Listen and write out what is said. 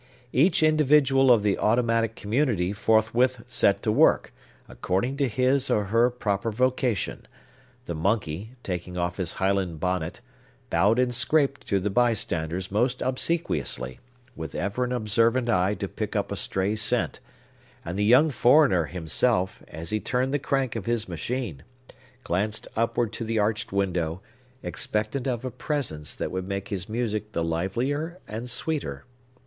Each individual of the automatic community forthwith set to work, according to his or her proper vocation: the monkey, taking off his Highland bonnet, bowed and scraped to the by standers most obsequiously, with ever an observant eye to pick up a stray cent; and the young foreigner himself, as he turned the crank of his machine, glanced upward to the arched window, expectant of a presence that would make his music the livelier and sweeter.